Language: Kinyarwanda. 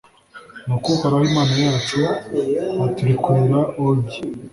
nuko uhoraho imana yacu aturekurira ogi